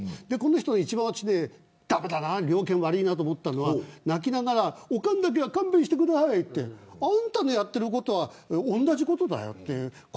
私は一番駄目だな、了見悪いなと思ったのは泣きながら、おかんだけは勘弁してくださいってあんたのやっていることは同じことだよと。